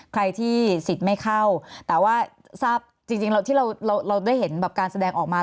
ใครที่สิทธิ์ไม่เข้าแต่ว่าทราบจริงที่เราได้เห็นแบบการแสดงออกมา